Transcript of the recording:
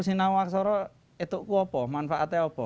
tidak ada manfaatnya apa